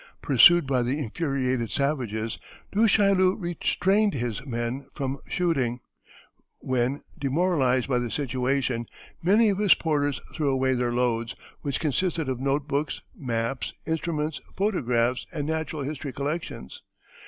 Pursued by the infuriated savages Du Chaillu restrained his men from shooting, when, demoralized by the situation, many of his porters threw away their loads, which consisted of note books, maps, instruments, photographs, and natural history collections.